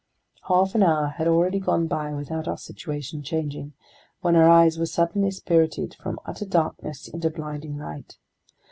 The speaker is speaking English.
Half an hour had already gone by without our situation changing, when our eyes were suddenly spirited from utter darkness into blinding light.